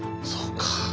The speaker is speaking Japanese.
そうか。